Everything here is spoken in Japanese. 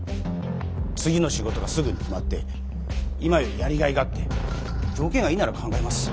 次の仕事がすぐに決まって今よりやりがいがあって条件がいいなら考えます。